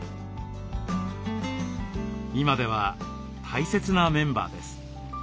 今では大切なメンバーです。